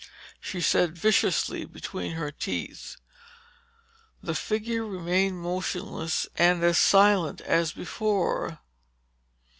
she said viciously between her teeth. The figure remained motionless and as silent as before.